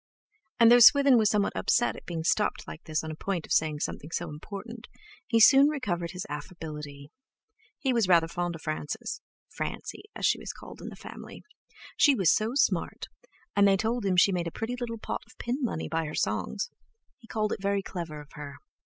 And though Swithin was somewhat upset at being stopped like this on the point of saying something important, he soon recovered his affability. He was rather fond of Frances—Francie, as she was called in the family. She was so smart, and they told him she made a pretty little pot of pin money by her songs; he called it very clever of her.